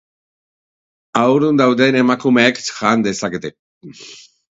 Haurdun dauden emakumeek jan dezakete.